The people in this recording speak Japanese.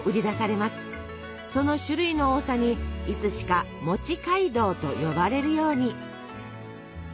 その種類の多さにいつしか「街道」と呼ばれるように。